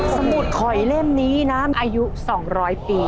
สมุดข่อยเล่มนี้นะอายุ๒๐๐ปี